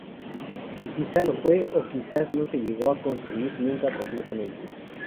Quizá lo fue, o quizás no se llegó a construir nunca completamente.